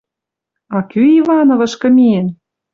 «А кӱ Ивановышкы миэн? —